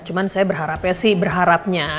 cuman saya berharap ya sih berharapnya